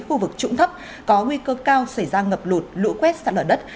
khu vực trũng thấp có nguy cơ cao xảy ra ngập lụt lũ quét sẵn ở đất